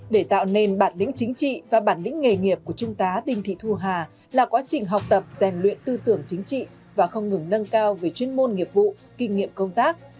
để tạo nên bản lĩnh chính trị và bản lĩnh nghề nghiệp của trung tá đinh thị thu hà là quá trình học tập rèn luyện tư tưởng chính trị và không ngừng nâng cao về chuyên môn nghiệp vụ kinh nghiệm công tác